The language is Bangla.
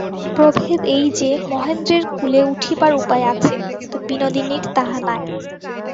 প্রভেদ এই যে মহেন্দ্রের কূলে উঠিবার উপায় আছে, কিন্তু বিনোদিনীর তাহা নাই।